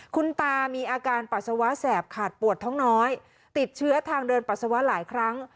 คุณตามีอาการปัสสาวะแสบขาดปวดท้องน้อยติดเชื้อทางเดินปัสสาวะหลายครั้ง